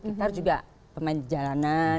gitar juga pemain jalanan